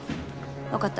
分かった。